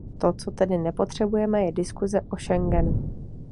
To, co tedy nepotřebujeme, je diskuse o Schengenu.